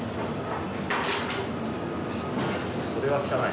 それは汚い